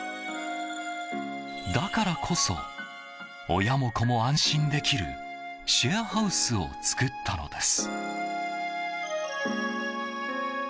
だからこそ、親も子も安心できるシェアハウスを作ったのです。